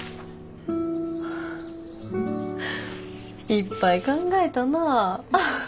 いっぱい考えたなぁ。